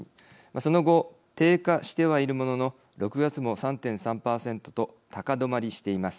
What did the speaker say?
その後低下してはいるものの６月も３．３％と高止まりしています。